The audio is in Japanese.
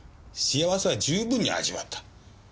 幸せは十分に味わった。